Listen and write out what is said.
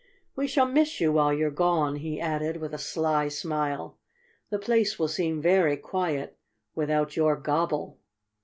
We shall miss you while you're gone," he added with a sly smile. "The place will seem very quiet without your gobble."